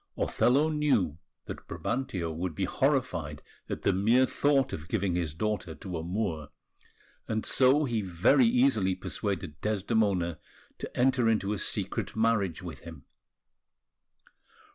Othello knew that Brabantio would be horrified at the mere thought of giving his daughter to a Moor; and so he very easily persuaded Desdemona to enter into a secret marriage with him.